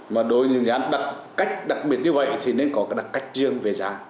mà đối với những giá đặc cách đặc biệt như vậy thì nên có cái đặc cách riêng về giá